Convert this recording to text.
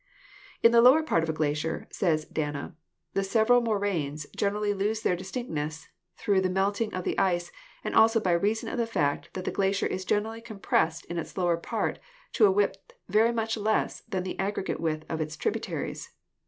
"In the lower part of a glacier," says Dana, "the several moraines generally lose their distinctness, through the melting of the ice and also by reason of the fact that the glacier is generally compressed in its lower part to a width very much less than the aggregate width of its tributaries.